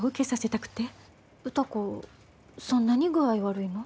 そんなに具合悪いの？